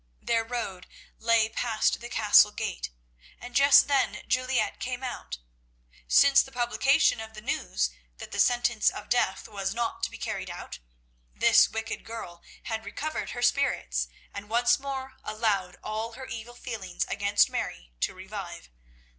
Their road lay past the Castle gate, and just then Juliette came out. Since the publication of the news that the sentence of death was not to be carried out, this wicked girl had recovered her spirits, and once more allowed all her evil feelings against Mary to revive.